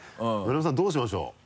野々山さんどうしましょう？